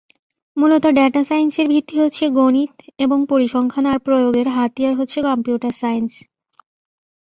মূলত ডেটা সাইন্সের ভিত্তি হচ্ছে গনিত এবং পরিসংখ্যান আর প্রয়োগের হাতিয়ার হচ্ছে কম্পিউটার সাইন্স।